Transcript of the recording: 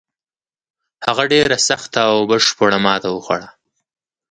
هغه ډېره سخته او بشپړه ماته وخوړه.